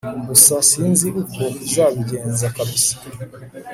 gusa sinzi uko uzabigenza kabisa